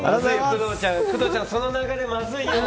工藤ちゃん、その流れまずいよ。